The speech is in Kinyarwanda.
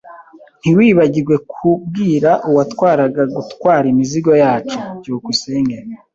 Ntiwibagirwe kubwira uwatwaraga gutwara imizigo yacu. byukusenge